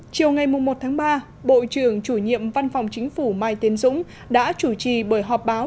chiều ngày một tháng ba bộ trưởng chủ nhiệm văn phòng chính phủ mai tiến dũng đã chủ trì buổi họp báo